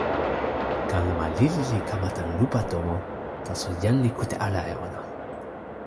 kalama lili li kama tan lupa tomo, taso jan li kute ala e ona.